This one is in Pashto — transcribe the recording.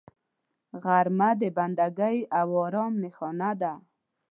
غرمه د بندګۍ او آرام نښانه ده